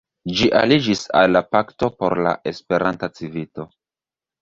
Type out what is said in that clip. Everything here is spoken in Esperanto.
Ĝi aliĝis al la Pakto por la Esperanta Civito.